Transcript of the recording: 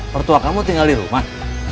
mertua kamu tinggal di rumah